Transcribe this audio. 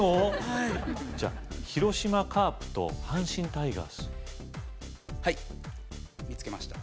じゃあ広島カープと阪神タイガースはい見つけました